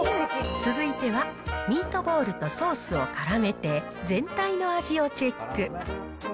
続いては、ミートボールとソースをからめて、全体の味をチェック。